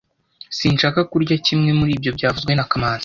Sinshaka kurya kimwe muri ibyo byavuzwe na kamanzi